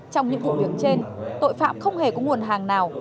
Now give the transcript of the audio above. trong những vụ việc trên tội phạm không hề có nguồn hàng nào